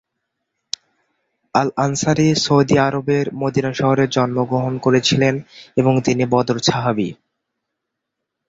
Al-Ansari Saudi আরবের Medina শহরে জন্মগ্রহণ করেছিলেন এবং তিনি বদর সাহাবী।